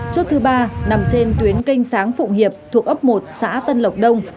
chốt thứ ba nằm trên tuyến canh sáng phụng hiệp thuộc ấp một xã tân lộc đông